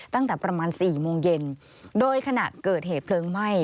ตั้งแต่ประมาณสี่โมงเย็นโดยขณะเกิดเหตุเพลิงไหม้